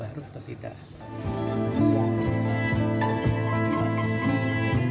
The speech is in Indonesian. apakah ini masuk lesan